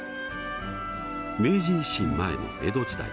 明治維新前の江戸時代